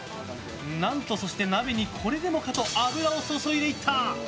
何と、鍋にこれでもかと油を注いでいった！